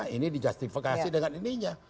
ini dijastifikasi dengan ininya